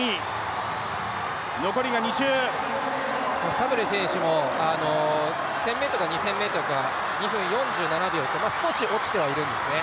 サブレ選手も１０００ｍから２０００ｍが２分４７秒と少し落ちてはいるんですね。